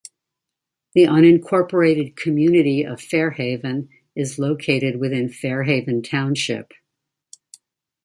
The unincorporated community of Fairhaven is located within Fair Haven Township.